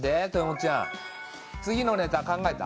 ちゃん次のネタ考えた？